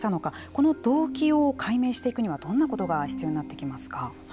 この動機を解明していくにはどんなことが必要になってきますか。